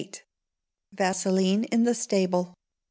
Vaseline in the Stable.